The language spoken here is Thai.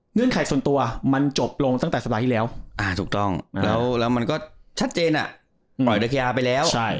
เงื่อนไขส่วนตัวมันจบลงตั้งแต่สัปดาห์ที่แล้วอ่าถูกต้องแล้วแล้วมันก็ชัดเจนอ่ะอืมปล่อยเทียร์ไปแล้วใช่